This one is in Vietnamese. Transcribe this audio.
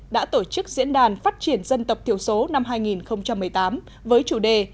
đã tổ chức diễn đàn phát triển dân tộc thiểu số năm hai nghìn một mươi tám với chủ đề